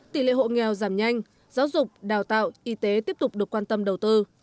tỷ lệ hộ nghèo giảm nhanh giáo dục đào tạo y tế tiếp tục được quan tâm đầu tư